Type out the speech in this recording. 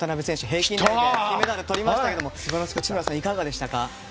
平均台で金メダルとりましたけども内村さん、いかがでしたか？